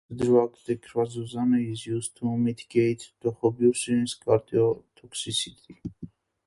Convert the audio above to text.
The drug dexrazoxane is used to mitigate doxorubicin's cardiotoxicity.